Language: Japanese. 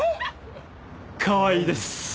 かわいいです。